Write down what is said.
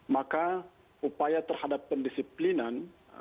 maka upaya terhadap pendisiplinan